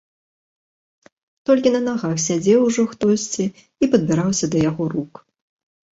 Толькі на нагах сядзеў ужо хтосьці і падбіраўся да яго рук.